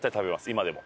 今でも。